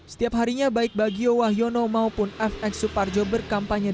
setiap harinya baik bagio wahyono maupun fx suparjo berkampanye